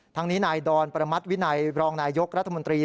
ทั้งนี้นายดอนประมัติวินัยรองนายยกรัฐมนตรี